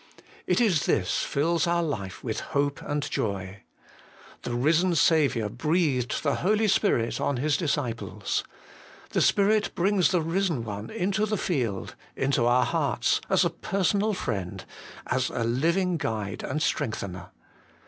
It is this fills our life with hope and joy. The Eisen Saviour breathed the Holy Spirit on His disciples : the Spirit brings the Eisen One into the field, into our hearts, as a personal friend, as a Living Guide and Strengthener.